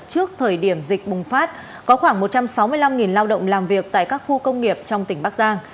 trước thời điểm dịch bùng phát có khoảng một trăm sáu mươi năm lao động làm việc tại các khu công nghiệp trong tỉnh bắc giang